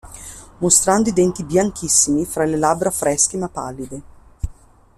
Mostrando i denti bianchissimi fra le labbra fresche ma pallide.